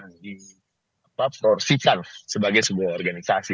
diporsikan sebagai sebuah organisasi